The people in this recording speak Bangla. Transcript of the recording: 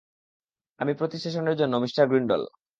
আমি প্রতি সেশনের জন্য মিস্টার গ্রিন্ডল।